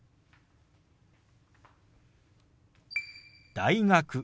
「大学」。